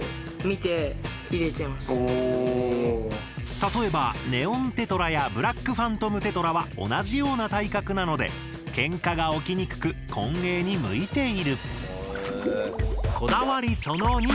例えばネオンテトラやブラックファントムテトラは同じような体格なのでケンカが起きにくく混泳に向いている。